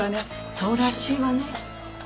そうらしいわね